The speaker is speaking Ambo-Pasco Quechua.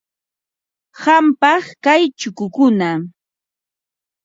Qampam kay chukukuna.